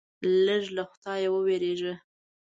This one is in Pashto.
لږ له خدایه ووېرېږه.